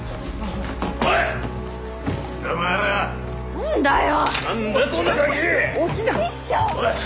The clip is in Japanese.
何だよ！